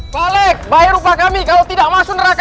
pak alex bayar upah kami kalau tidak masuk neraka aja